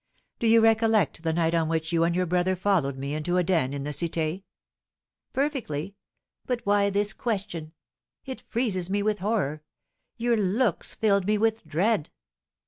Do you recollect the night on which you and your brother followed me into a den in the Cité?" "Perfectly! But why this question? It freezes me with horror; your looks fill me with dread!"